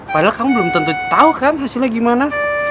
padahal kamu belum tentu tau kan hasilnya gimana